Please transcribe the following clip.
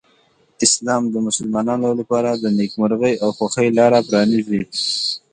اسلام د مسلمانانو لپاره د نېکمرغۍ او خوښۍ لاره پرانیزي.